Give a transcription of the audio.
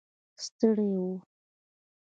ستړي و.